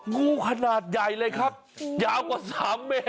งูขนาดใหญ่เลยครับยาวกว่า๓เมตร